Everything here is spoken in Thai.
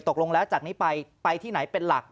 ตกลงแล้วจากนี้ไปไปที่ไหนเป็นหลัก